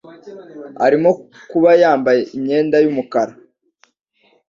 Arimo kuba yambaye imyenda yumukara